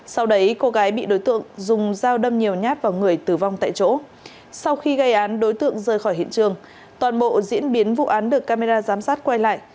sau khi gây án đối tượng rời khỏi hiện trường toàn bộ diễn biến vụ án được camera giám sát quay lại